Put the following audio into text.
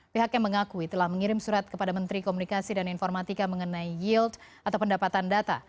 pihaknya mengakui telah mengirim surat kepada menteri komunikasi dan informatika mengenai yield atau pendapatan data